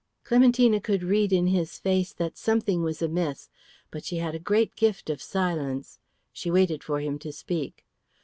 Clementina could read in his face that something was amiss, but she had a great gift of silence. She waited for him to speak.